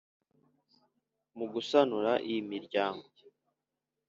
mugasanura iyi miryango